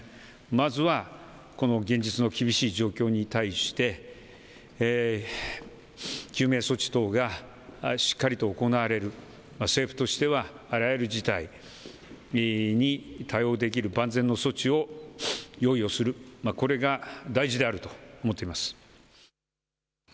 まずはこの現実の厳しい状況に対して救命措置等がしっかりと行われる政府としては、あらゆる事態に対応できる万全の措置を用意するこれが大事であると思っています。